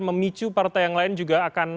memicu partai yang lain juga akan